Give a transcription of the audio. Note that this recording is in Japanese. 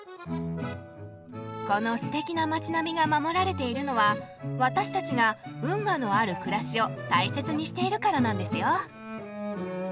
このすてきな街並みが守られているのは私たちが運河のある暮らしを大切にしているからなんですよ。